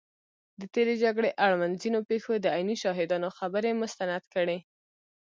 د تېرې جګړې اړوند ځینو پېښو د عیني شاهدانو خبرې مستند کړي